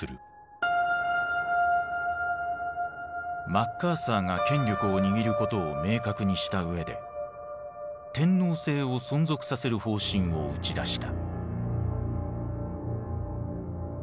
マッカーサーが権力を握ることを明確にした上で天皇制を存続させる方針を打ち出した。